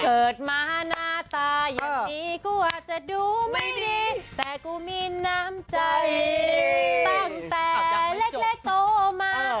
เกิดมาหน้าตาอย่างนี้ก็อาจจะดูไม่ดีแต่กูมีน้ำใจตั้งแต่เล็กโตมา